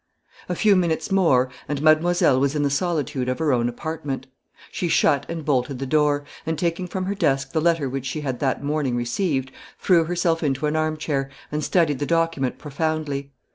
A few minutes more, and mademoiselle was in the solitude of her own apartment. She shut and bolted the door, and taking from her desk the letter which she had that morning received, threw herself into an armchair, and studied the document profoundly.